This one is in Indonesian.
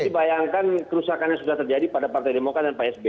jadi bayangkan kerusakan yang sudah terjadi pada partai demokrat dan psb